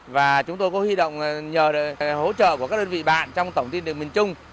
và chúng tôi có huy động nhờ hỗ trợ của các đơn vị bạn trong tổng tin điện miền trung